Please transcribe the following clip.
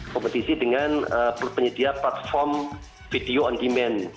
kompetisi dengan penyedia platform video on demand